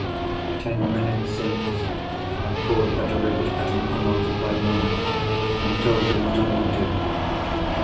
Ten minutes since, I caught Betteredge at an unoccupied moment, and told him what I wanted.